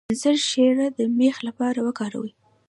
د انځر شیره د میخ لپاره وکاروئ